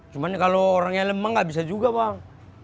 cuman kalau orang yang lemah gak bisa juga bang